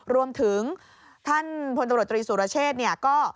รวมถึงท่านพตศุรเชษก็